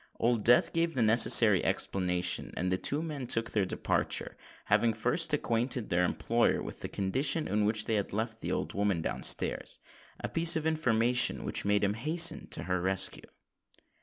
Old Death gave the necessary explanation; and the two men took their departure, having first acquainted their employer with the condition in which they had left the old woman down stairs—a piece of information which made him hasten to her rescue.